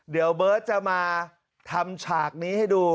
เดี๋ยวเบิร์ตจะมาทำฉากนี้ให้ดู